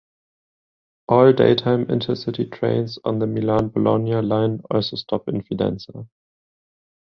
All daytime Intercity trains on the Milan–Bologna line also stop in Fidenza.